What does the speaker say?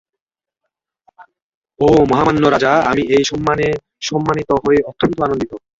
ওহ, মহামান্য রাজা, আমি এই সম্মানে সম্মানিত হয়ে অত্যন্ত আনন্দিত।